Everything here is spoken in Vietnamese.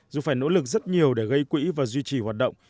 dù phải nỗ lực rất nhiều để gây quỹ và duy trì hoạt động